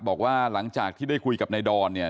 บอกว่าหลังจากที่ได้คุยกับนายดอนเนี่ย